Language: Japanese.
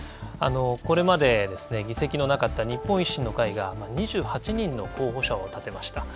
これまで議席のなかった日本維新の会が２８人の候補者を立てました。